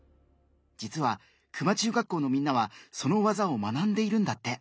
実は球磨中学校のみんなはその技を学んでいるんだって。